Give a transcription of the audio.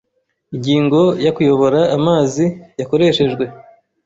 Ingingo ya Kuyobora amazi yakoreshejwe